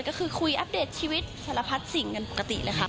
ก็คือคุยอัปเดตชีวิตสารพัดสิ่งกันปกติเลยค่ะ